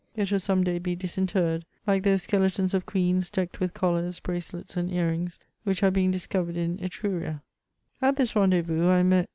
It will some day be disinterred, like those skeletons of queens decked with collars, bracelets, and earrings, which are being discovered in Etruria, At this rendezvous I met M.